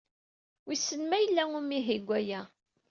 Wissen ma yella umihi deg uya.